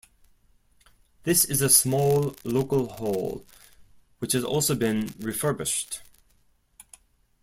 This is a small local hall, which has also been refurbished.